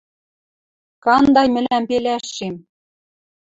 Кандай мӹлӓм пелӓшем.